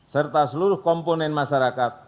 serta seluruh komponen masyarakat